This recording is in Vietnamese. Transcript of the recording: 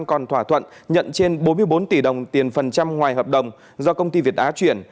còn thỏa thuận nhận trên bốn mươi bốn tỷ đồng tiền phần trăm ngoài hợp đồng do công ty việt á chuyển